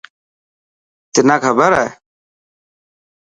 تنان کبر هي؟